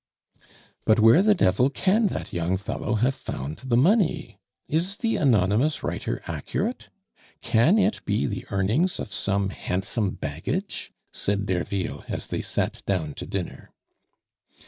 "But where the devil can that young fellow have found the money? Is the anonymous writer accurate? Can it be the earnings of some handsome baggage?" said Derville, as they sat down to dinner.